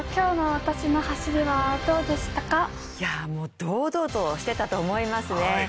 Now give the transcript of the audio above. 堂々としてたと思いますね。